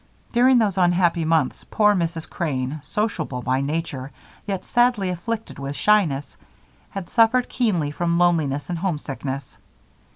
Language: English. During those unhappy months poor Mrs. Crane, sociable by nature yet sadly afflicted with shyness, had suffered keenly from loneliness and homesickness.